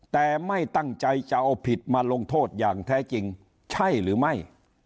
แต่ไม่ตั้งใจจะเอาผิดมาลงโทษอย่างแท้จริงใช่หรือไม่